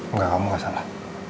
enggak kamu gak salah